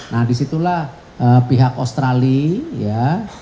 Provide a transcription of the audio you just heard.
nah disitulah pihak australia